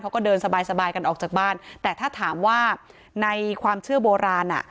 เขาก็เดินสบายสบายกันออกจากบ้านแต่ถ้าถามว่าในความเชื่อโบราณอ่ะ